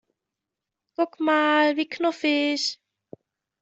Guck mal, wie knuffig!